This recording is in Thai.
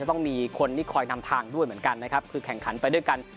ต้องมีคนที่คอยนำทางด้วยเหมือนกันนะครับคือแข่งขันไปด้วยกัน